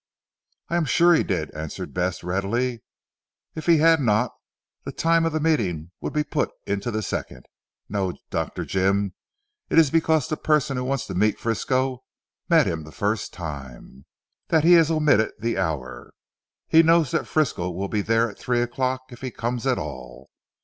"I am sure he did," answered Bess readily, "if he had not, the time of meeting would be put into the second. No, Dr. Jim. It is because the person who wants to meet Frisco met him the first time, that he has omitted the hour. He knows that Frisco will be there at three o'clock if he comes at all.